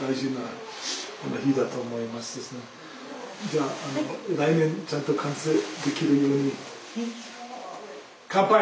じゃあ来年ちゃんと完成できるように乾杯！